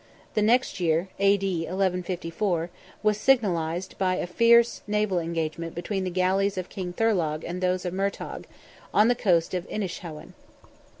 The next year (A.D. 1154) was signalized by a fierce naval engagement between the galleys of King Thorlogh and those of Murtogh, on the coast of Innishowen.